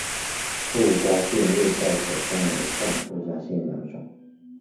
附加线又再可分为上附加线两种。